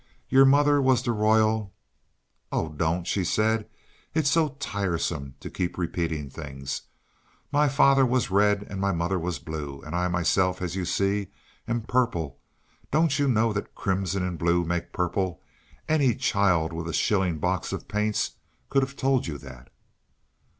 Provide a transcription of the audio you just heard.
Your mother was the Royal " "Oh, don't," she said, "it's so tiresome to keep repeating things. My father was red and my mother was blue, and I myself, as you see, am purple. Don't you know that crimson and blue make purple? Any child with a shilling box of paints could have told you that."